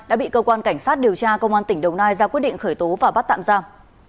đã bị cơ quan cảnh sát điều tra công an tỉnh đồng nai ra quyết định khởi tố và bắt tạm giam